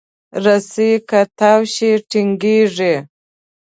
رسۍ که تاو شي، ټینګېږي.